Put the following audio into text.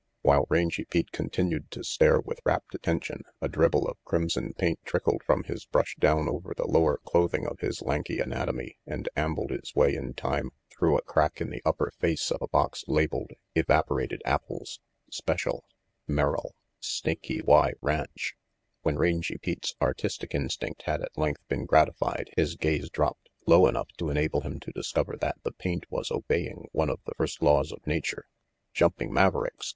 While Rangy Pete continued to stare with rapt gaze, a dribble of crimson paint trickled from his brush down over the lower clothing of his lanky anatomy and ambled its way in time through a crack in the upper face of a box labeled 1 2 RANGY PETE "Evaporated Apples. Special. Merrill, Snaky Ranch." When Rangy Pete's artistic instinct had at length been gratified, his gaze dropped low enough to enable him to discover that the paint was obeying one of the first laws of nature. "Jumping Mavericks!"